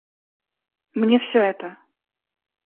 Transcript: Мне все это.